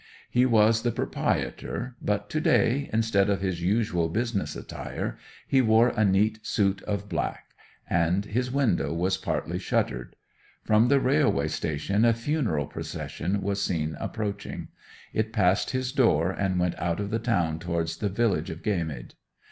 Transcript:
He was the proprietor, but to day, instead of his usual business attire, he wore a neat suit of black; and his window was partly shuttered. From the railway station a funeral procession was seen approaching: it passed his door and went out of the town towards the village of Gaymead.